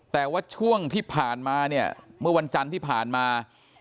แต่ว่าช่วงที่ผ่านมาเนี่ยเมื่อวันจันทร์ที่ผ่านมา